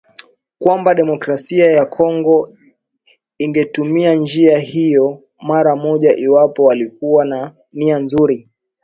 kwamba Demokrasia ya Kongo ingetumia njia hiyo mara moja iwapo walikuwa na nia nzuri